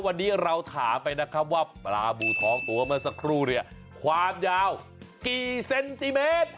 วันนี้เราถามไปนะครับว่าปลาบูทองตัวเมื่อสักครู่เนี่ยความยาวกี่เซนติเมตร